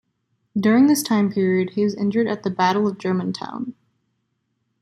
During this time period, he was injured at the Battle of Germantown.